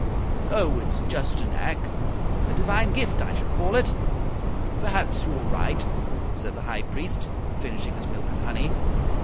"Oh, it's just a knack." "A divine gift, I should call it." "Perhaps you're right," said the High Priest, finishing his milk and honey.